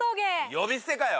呼び捨てかよ！